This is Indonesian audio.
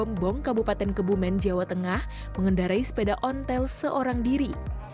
kemudian dia menemukan perjalanan ke bupatan kebumen jawa tengah mengendarai sepeda ontel seorang diri